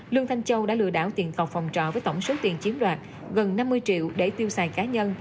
lương thanh châu đã lừa đảo tiền cọc phòng trọ với tổng số tiền chiếm đoạt gần năm mươi triệu để tiêu xài cá nhân